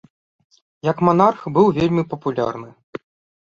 Як манарх быў вельмі папулярны.